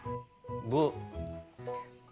tuh itu digunakan untuk menunjuk obyek yang jauh